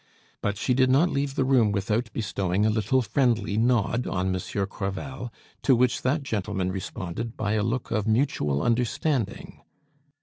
But she did not leave the room without bestowing a little friendly nod on Monsieur Crevel, to which that gentleman responded by a look of mutual understanding.